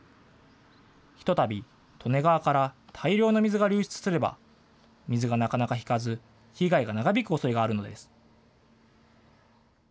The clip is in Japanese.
ひとたび利根川から大量の水が流出すれば、水がなかなか引かず被害が長引くおそれがあるのです。